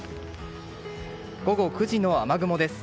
午後９時の雨雲です。